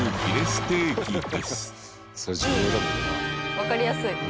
わかりやすい。